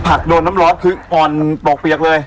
โดนน้ำร้อนคืออ่อนปอกเปียกเลย